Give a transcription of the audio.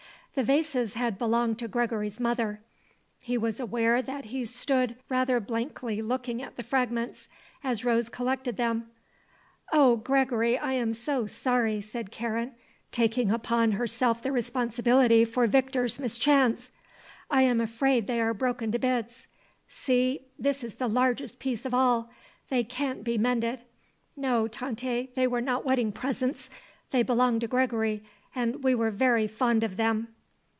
The vases had belonged to Gregory's mother. He was aware that he stood rather blankly looking at the fragments, as Rose collected them. "Oh, Gregory, I am so sorry," said Karen, taking upon herself the responsibility for Victor's mischance. "I am afraid they are broken to bits. See, this is the largest piece of all. They can't be mended. No, Tante, they were not wedding presents; they belonged to Gregory and we were very fond of them."